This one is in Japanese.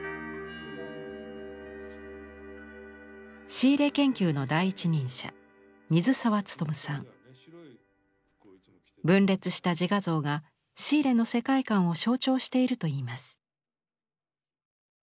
シーレ研究の第一人者分裂した自画像がシーレの世界観を象徴しているといいます。